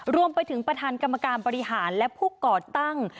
รวมไปถึงประธานกรรมการบริหารและผู้ก่อตั้ง